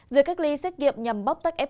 về cách ly xét nghiệm nhằm bóc tắt ép